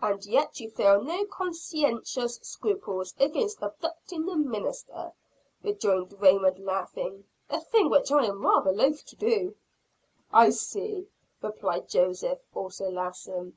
"And yet you feel no conscientious scruples against abducting the minister," rejoined Raymond laughing; "a thing which I am rather loath to do." "I see," replied Joseph, also laughing.